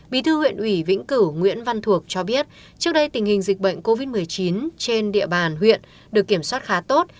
bí thư huyện ủy vĩnh cửu nguyễn văn thuộc cho biết trước đây tình hình dịch bệnh covid một mươi chín trên địa bàn huyện được kiểm soát khá tốt